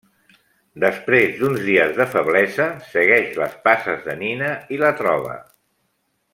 Després d’uns dies de feblesa segueix les passes de Nina i la troba.